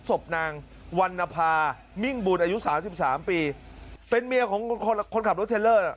ศพนางวันนภามิ่งบุญอายุสามสิบสามปีเป็นเมียของคนคนขับรถเทลเลอร์น่ะ